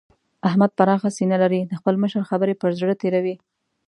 احمد پراخه سينه لري؛ د خپل مشر خبرې پر زړه تېروي.